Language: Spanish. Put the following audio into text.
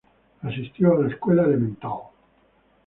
Asistió a la escuela elemental.